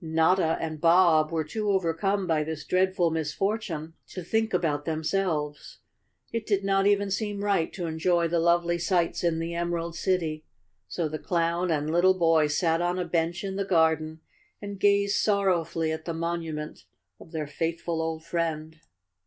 Notta and Bob were too overcome by this dreadful misfortune to think about themselves. It did not even seem right to enjoy the lovely sights in the Emerald City, so the clown and lit¬ tle boy sat on a bench in the garden and gazed sorrow¬ fully at the monument of their faithful old friend.